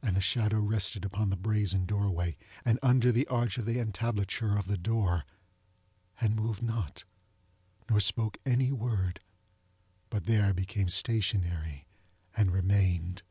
And the shadow rested upon the brazen doorway, and under the arch of the entablature of the door, and moved not, nor spoke any word, but there became stationary and remained.